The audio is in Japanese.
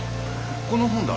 この本だ。